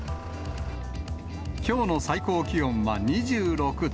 きょうの最高気温は２６度。